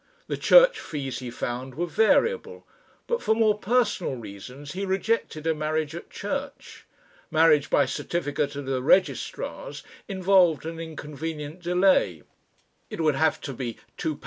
The church fees he found were variable, but for more personal reasons he rejected a marriage at church. Marriage by certificate at a registrar's involved an inconvenient delay. It would have to be £2, 7s.